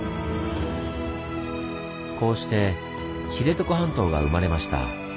こうして知床半島が生まれました。